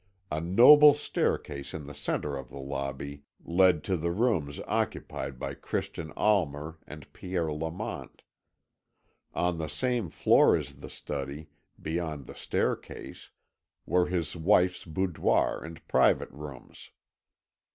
A noble staircase in the centre of the lobby led to the rooms occupied by Christian Almer and Pierre Lamont. On the same floor as the study, beyond the staircase, were his wife's boudoir and private rooms.